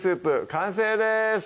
完成です